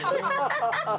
ハハハハ！